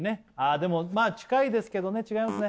でもまあ近いですけどね違いますね